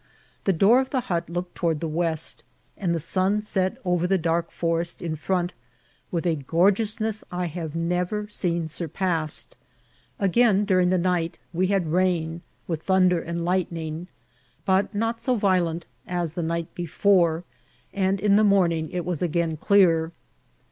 The door of the hut looked to ward the west, and the sun set over the dark forest in front with a gorgeousness I have never seen surpassed. Again, during the night, we had rain, with thunder and lightning, but not so violent as the night before, and in the morning it was again dear.